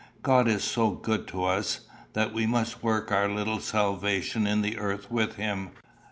God is so good to us, that we must work our little salvation in the earth with him.